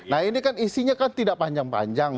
nah ini kan isinya kan tidak panjang panjang